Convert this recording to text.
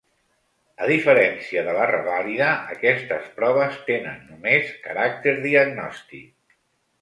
A diferència de la revàlida, aquestes proves tenen només caràcter diagnòstic.